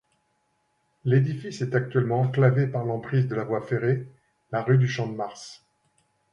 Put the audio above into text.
L'édifice est actuellement enclavé par l'emprise de la voie ferrée, la rue du Champ-de-Mars.